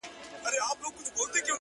پر سینه یې د تیرې مشوکي وار سو -